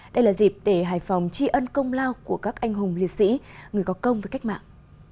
đây là dịp để hải phòng tri ân công lao của các anh hùng liệt sĩ người có công với cách mạng